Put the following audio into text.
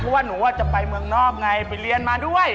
เพราะว่าหนูจะไปเมืองนอกไงไปเรียนมาด้วย